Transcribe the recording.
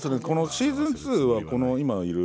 シーズン２は今いる